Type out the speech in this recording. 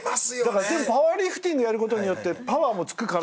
パワーリフティングやることによってパワーもつくから。